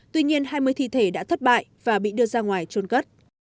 tuy nhiên hai mươi thi thể đã thất bại và bị đưa ra ngoài trôn cất